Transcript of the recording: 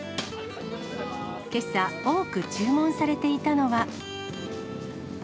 けさ、多く注文されていたのは。